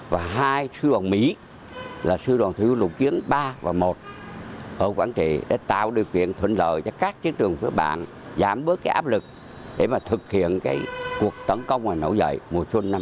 và hai sư đoàn mỹ là sư đoàn thủy lục chiến ba và một ở quảng trị để tạo điều kiện thuận lợi cho các chiến trường phía bạn giảm bớt cái áp lực để mà thực hiện cái cuộc tổng công và nổi dậy mùa xuân năm sáu mươi tám